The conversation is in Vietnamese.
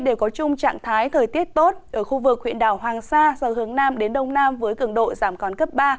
đều có chung trạng thái thời tiết tốt ở khu vực huyện đảo hoàng sa do hướng nam đến đông nam với cường độ giảm còn cấp ba